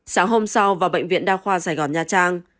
sáng hôm sau vào bệnh viện đa khoa sài gòn nha trang